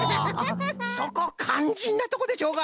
そこかんじんなとこでしょうが！